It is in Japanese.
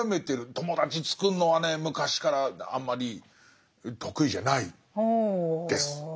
友達つくるのはね昔からあんまり得意じゃないです。